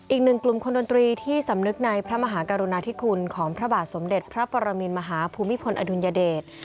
อีกหนึ่งกลุ่มคนดนตรีที่สำนึกในพระมหากรุณาธิคุณของพระบาทสมเด็จพระปรมินมหาภูมิพลอดุลยเดช